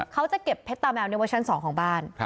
เขาจะเก็บเพชรตาแมวในบนชั้นสองของบ้าน